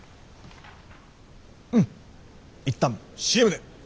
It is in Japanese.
うん一旦ＣＭで。